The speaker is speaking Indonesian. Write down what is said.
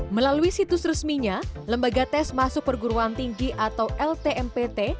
melalui situs resminya lembaga tes masuk perguruan tinggi atau ltmpt